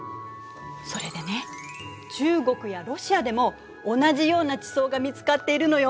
それでね中国やロシアでも同じような地層が見つかっているのよ。